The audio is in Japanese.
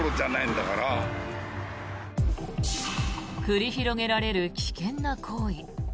繰り広げられる危険な行為。